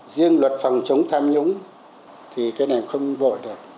riêng luật phòng chống tham nhũng thì cái này không vội được